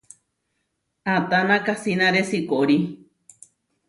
¿Atána kasínare siikorí?